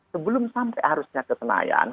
sebelum sampai harusnya ke senayan